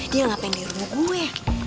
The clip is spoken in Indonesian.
dia ngapain di rumah gue